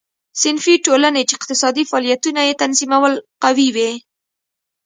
صنفي ټولنې چې اقتصادي فعالیتونه یې تنظیمول قوي وې.